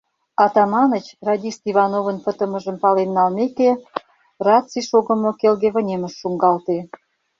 Атаманыч, радист Ивановын пытымыжым пален налмеке, раций шогымо келге вынемыш шуҥгалте.